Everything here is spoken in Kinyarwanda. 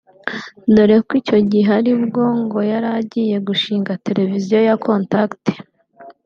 dore ko icyo gihe ari bwo ngo yari agiye gushinga televiziyo ya Contact